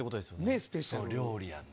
スペシャル料理やな。